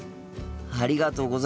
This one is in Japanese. ありがとうございます！